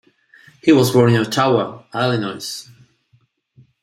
He was born in Ottawa, Illinois.